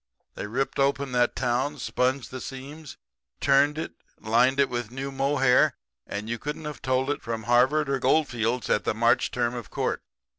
They ripped open that town, sponged the seams, turned it, lined it with new mohair; and you couldn't have told it from Harvard or Goldfields at the March term of court.